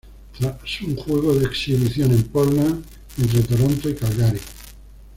Tras un juego de exhibición en Portland entre Toronto y Calgary.